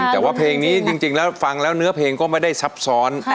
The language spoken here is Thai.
แต่ว่าเพลงนี้จริงแล้วฟังแล้วเนื้อเพลงก็ไม่ได้ซับซ้อน